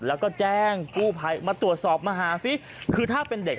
แล้วก็แจ้งกู้ภัยมาตรวจสอบมาหาซิคือถ้าเป็นเด็ก